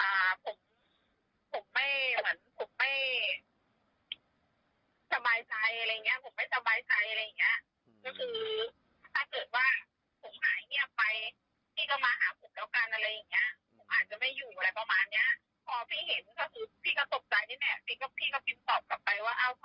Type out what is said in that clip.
แต่ก็คือเขาก็ไม่ได้อ่านไลน์พี่แล้วไง